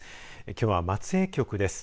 きょうは松江局です。